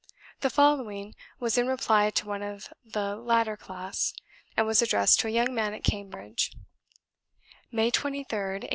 The following was in reply to one of the latter class, and was addressed to a young man at Cambridge: "May 23rd, 1850.